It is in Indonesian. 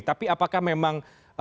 tapi apakah memang